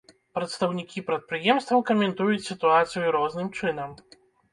Прадстаўнікі прадпрыемстваў каментуюць сітуацыю розным чынам.